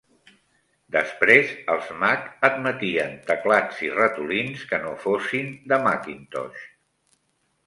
Després els Mac admetien teclats i ratolins que no fossin de Macintosh.